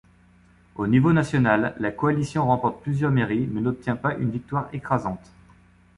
Au niveau national, la coalition remporte plusieurs mairies mais n'obtient pas une victoire écrasante.